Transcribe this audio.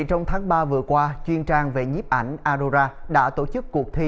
trong tháng ba vừa qua chuyên trang về nhiếp ảnh adora đã tổ chức cuộc thi